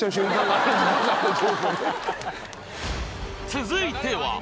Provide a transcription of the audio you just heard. ［続いては］